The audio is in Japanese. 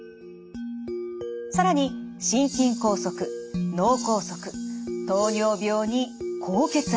更に心筋梗塞脳梗塞糖尿病に高血圧。